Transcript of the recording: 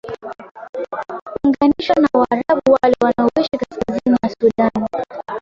unganishwa na waarabu wale wanaoishi kaskazini ya sudan